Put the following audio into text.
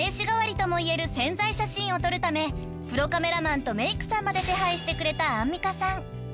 代わりともいえる宣材写真を撮るためプロカメラマンとメークさんまで手配してくれたアンミカさん］